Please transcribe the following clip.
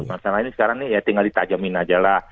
masalah ini sekarang nih ya tinggal ditajamin aja lah